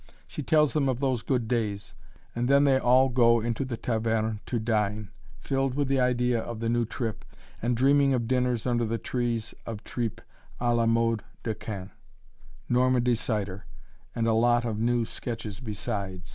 She tells them of those good days, and then they all go into the Taverne to dine, filled with the idea of the new trip, and dreaming of dinners under the trees, of "Tripes à la mode de Caen," Normandy cider, and a lot of new sketches besides.